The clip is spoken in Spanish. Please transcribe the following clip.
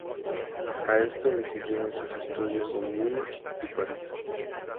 A esto le siguieron sus estudios en Munich y París.